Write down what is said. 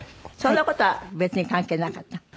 そんな事は別に関係なかった？